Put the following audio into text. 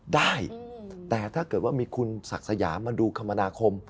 ได้แต่ถ้าเกิดว่ามีคุณศักดิ์สยามมาดูคมนาคม